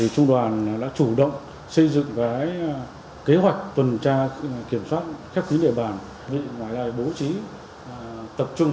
trung đoàn đã chủ động xây dựng cái kế hoạch tuần tra kiểm soát các địa bàn